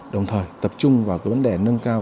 đồng thời tập trung vào cái vấn đề nâng cao